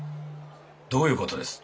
どういうことです？